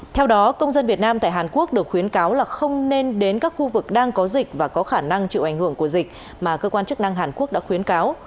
theo đó công dân việt nam tại hàn quốc được khuyến cáo là không nên đến các khu vực đang có dịch và có khả năng chịu ảnh hưởng của dịch mà cơ quan chức năng hàn quốc đã khuyến cáo